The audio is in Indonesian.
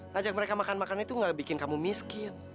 ngajak mereka makan makan itu nggak bikin kamu miskin